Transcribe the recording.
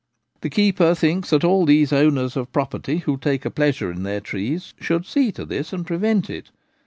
The keeper thinks that all those owners of pro perty who take a pleasure in their trees should see to this and prevent it.